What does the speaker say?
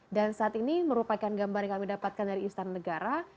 dan saat ini merupakan gambar yang kami dapatkan dari istana negara